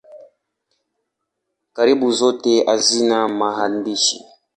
Karibu zote hazina maandishi.